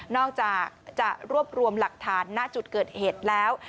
อกจากจะรวบรวมหลักฐานณจุดเกิดเหตุแล้ว